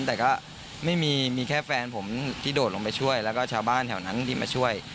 แต่ก็ไม่มีมีแค่แฟนผมที่โดดลงไปช่วยแล้วก็ชาวบ้านแถวนั้นที่มาช่วย